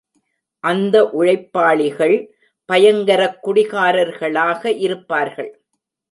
அந்த உழைப்பாளிகள், பயங்கரக் குடிகாரர்களாக இருப்பார்கள்.